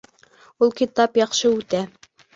Ул китап яҡшы үтә